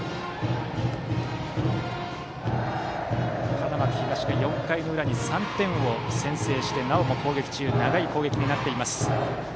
花巻東が４回の裏に３点を先制してなおも攻撃中で長い攻撃になっています。